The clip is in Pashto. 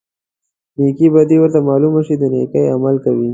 نیکې بدي ورته معلومه شي د نیکۍ عمل کوي.